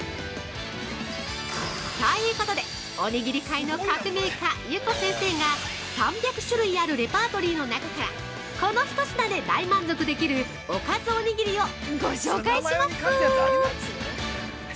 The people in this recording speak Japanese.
◆ということでおにぎり界の革命家・ゆこ先生が３００種類あるレパートリーの中からこの一品で大満足できるおかずおにぎりをご紹介します！